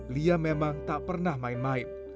lia memang tak pernah main main